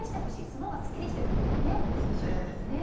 そのほうがスッキリしているという印象なんですね。